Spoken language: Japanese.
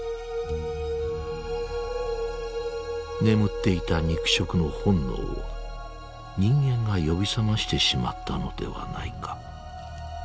眠っていた肉食の本能を人間が呼び覚ましてしまったのではないか。